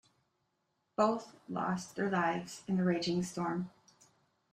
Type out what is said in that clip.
Both lost their lives in the raging storm.